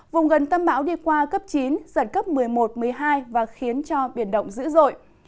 vùng gần tâm bão đi qua cấp chín giật cấp một mươi một một mươi hai và khiến cho biển động dữ dội